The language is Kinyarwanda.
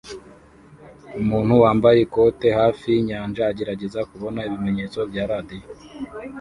Umuntu wambaye ikote hafi yinyanja agerageza kubona ibimenyetso bya radio